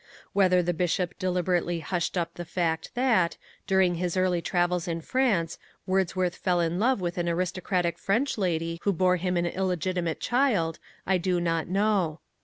Whether the Bishop deliberately hushed up the fact that, during his early travels in France, Wordsworth fell in love with an aristocratic French lady who bore him an illegitimate child, I do not know.